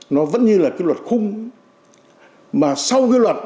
nó vẫn như là cái luật khung mà sau cái luật